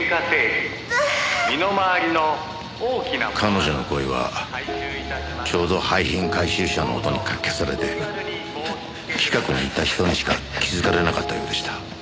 彼女の声はちょうど廃品回収車の音にかき消されて近くにいた人にしか気づかれなかったようでした。